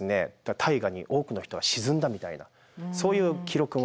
大河に多くの人が沈んだみたいなそういう記録もあるんですよね。